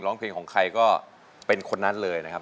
ร้องเพลงของใครก็เป็นคนนั้นเลยนะครับ